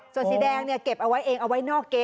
ส่วนสีแดงเนี่ยเก็บเอาไว้เองเอาไว้นอกเก๊